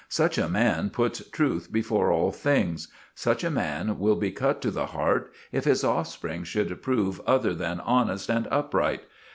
Such a man puts truth before all things; such a man will be cut to the heart if his offspring should prove other than honest and upright.